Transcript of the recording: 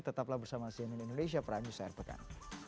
tetaplah bersama siamil indonesia peranjus air pekan